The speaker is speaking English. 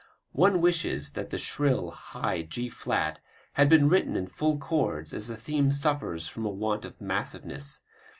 One wishes that the shrill, high G flat had been written in full chords as the theme suffers from a want of massiveness.